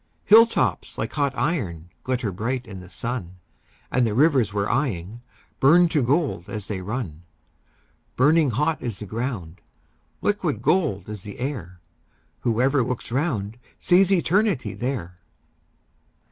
Hill tops like hot iron glitter bright in the sun, And the rivers we're eying burn to gold as they run; Burning hot is the ground, liquid gold is the air; Whoever looks round sees Eternity there.